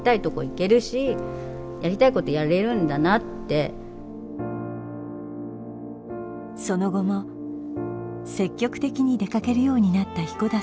そしたらその後も積極的に出かけるようになった彦田さん。